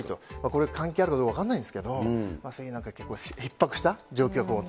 関係あるかどうか分からないんですけれども、結構ひっ迫した状況